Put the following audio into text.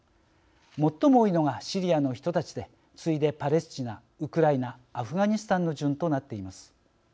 最も多いのがシリアの人たちで次いでパレスチナ、ウクライナアフガニスタンの順となっています。